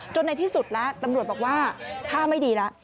จนในที่สุดละตำรวจบอกว่าถ้าไม่ดีละ